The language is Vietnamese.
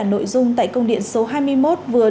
nội dung tại công điện số hai mươi một vừa